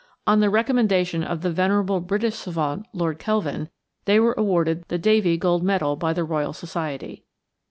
On the recommendation of the venerable British savant, Lord Kelvin, they were awarded the Davy gold medal by the Royal Society.